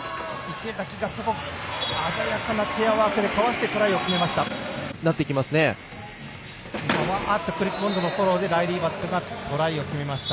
池崎が鮮やかなチェアワークでかわしてトライを取りました。